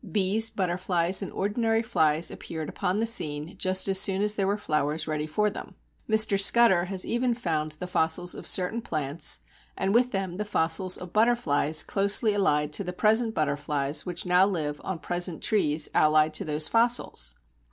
Bees, butterflies, and ordinary flies appeared upon the scene just as soon as there were flowers ready for them. Mr. Scudder has even found the fossils of certain plants, and with them the fossils of butterflies closely allied to the present butterflies which now live on present trees allied to those fossils!